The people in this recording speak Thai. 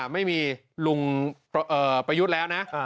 ไม่มีลุงประยุทธ์แล้วนะ